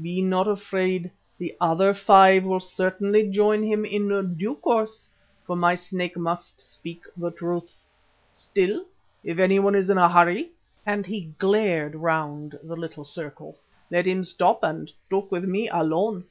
Be not afraid, the other five will certainly join him in due course, for my Snake must speak the truth. Still, if anyone is in a hurry," and he glared round the little circle, "let him stop and talk with me alone.